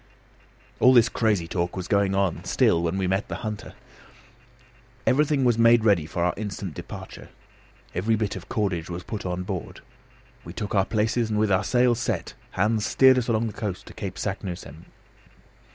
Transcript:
All this crazy talk was going on still when we met the hunter. Everything was made ready for our instant departure. Every bit of cordage was put on board. We took our places, and with our sail set, Hans steered us along the coast to Cape Saknussemm.